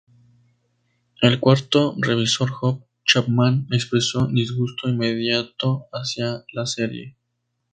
El cuarto revisor, Hope Chapman, expresó disgusto inmediato hacia la serie.